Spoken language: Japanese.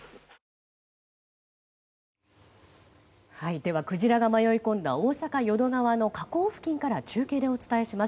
ではクジラが迷い込んだ大阪・淀川の河口付近から中継でお伝えします。